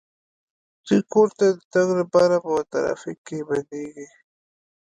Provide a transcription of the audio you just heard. دوی کور ته د تګ لپاره په ترافیک کې بندیږي